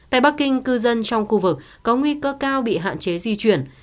tại bắc kinh cư dân trong khu vực có nguy cơ cao bị hạn chế di chuyển